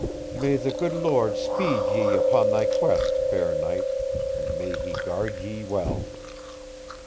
"May the good Lord speed ye upon thy quest, fair knight, and may He guard ye well."